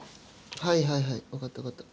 はいはいはい分かった分かった。